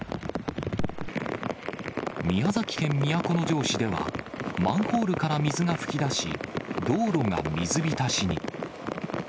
宮崎県都城市では、マンホールから水が噴き出し、道路が水浸しに。